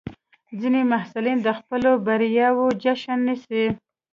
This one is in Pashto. ځینې محصلین د خپلو بریاوو جشن نیسي.